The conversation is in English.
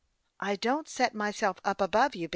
" I don't set myself up above you, Ben."